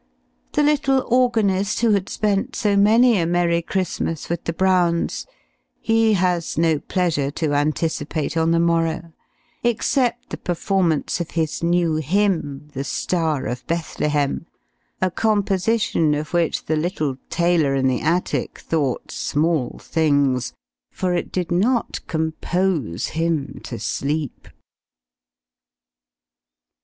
The little organist, who had spent so many a Merry Christmas with the Browns he has no pleasure to anticipate on the morrow, except the performance of his new hymn, "The Star of Bethlehem," a composition of which the little tailor in the attic thought small things, for it did not compose him to sleep.